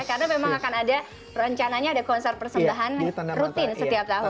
karena memang akan ada rencananya ada konser persembahan rutin setiap tahun